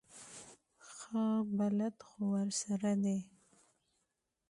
ښه بلد خو ورسره دی.